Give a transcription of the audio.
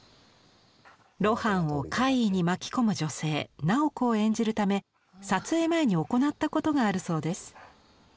露伴を怪異に巻き込む女性楠宝子を演じるため撮影前に行ったことがあるそうです。